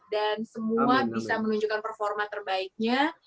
dan semua bisa menunjukkan performa terbaiknya